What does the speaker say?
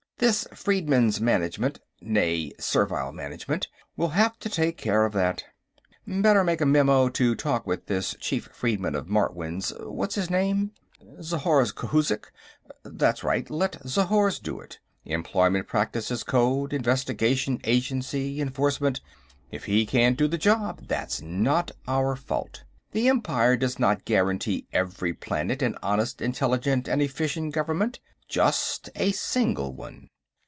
This Freedmen's Management, nee Servile Management, will have to take care of that. Better make a memo to talk with this chief freedman of Martwynn's, what's his name? Zhorzh Khouzhik; that's right, let Zhorzh do it. Employment Practices Code, investigation agency, enforcement. If he can't do the job, that's not our fault. The Empire does not guarantee every planet an honest, intelligent and efficient government; just a single one."